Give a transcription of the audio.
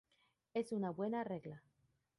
Es una buena regla.